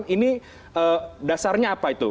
ini dasarnya apa itu